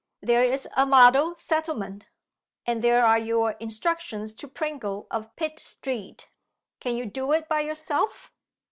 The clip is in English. There is a model settlement! and there are your instructions to Pringle of Pitt Street! Can you do it by yourself?